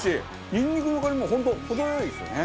ニンニクの感じも本当、程よいですよね。